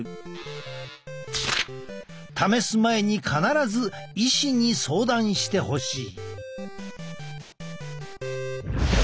試す前に必ず医師に相談してほしい。